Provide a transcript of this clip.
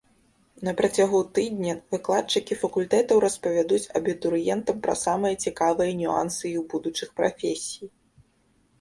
На працягу тыдня выкладчыкі факультэтаў распавядуць абітурыентам пра самыя цікавыя нюансы іх будучых прафесій.